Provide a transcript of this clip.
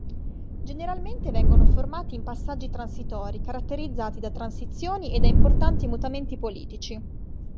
Generalmente vengono formati in passaggi transitori caratterizzati da transizioni e da importanti mutamenti politici.